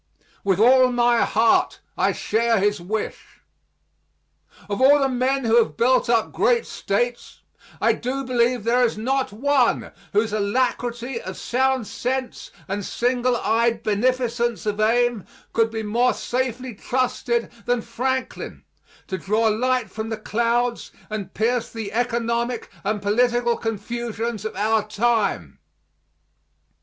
With all my heart I share his wish. Of all the men who have built up great States, I do believe there is not one whose alacrity of sound sense and single eyed beneficence of aim could be more safely trusted than Franklin to draw light from the clouds and pierce the economic and political confusions of our time.